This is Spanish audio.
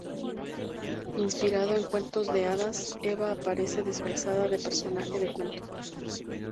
Inspirado en cuentos de hadas, Eva aparece disfrazada de personaje de cuento.